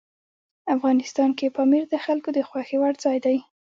افغانستان کې پامیر د خلکو د خوښې وړ ځای دی.